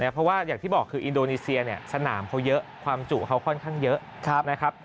เพราะว่าอย่างที่บอกคืออินโดนีเซียเนี่ยสนามเขาเยอะความจุเขาค่อนข้างเยอะนะครับ